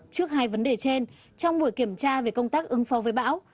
trước hai vấn đề trên trong buổi kiểm tra về công tác ứng phó với bão